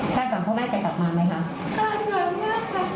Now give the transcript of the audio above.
ทานดำมากค่ะ